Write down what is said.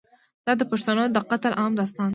دا د پښتنو د قتل عام داستان دی.